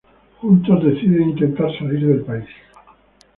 Juntos deciden intentar salir del país.